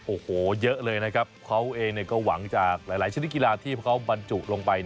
โอ้โหเยอะเลยนะครับเขาเองก็หวังจากหลายชนิดกีฬาที่เขาบรรจุลงไป